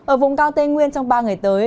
ở vùng cao tây nguyên trong ba ngày tới